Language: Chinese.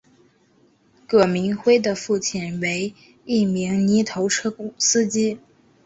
葛民辉的父亲为一名泥头车司机。